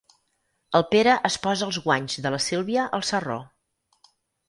El Pere es posa els guanys de la Sílvia al sarró.